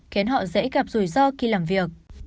khiến họ dễ gặp rủi ro khi làm việc